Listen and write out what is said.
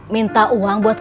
minta uang buat fri